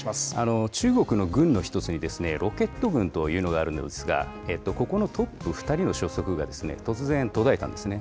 中国の軍の１つにロケット軍というのがあるのですが、ここのトップ２人の消息が突然途絶えたんですね。